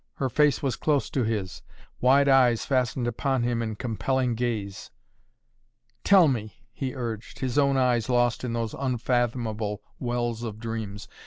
Her face was close to his. Wide eyes fastened upon him in a compelling gaze. "Tell me!" he urged, his own eyes lost in those unfathomable wells of dreams.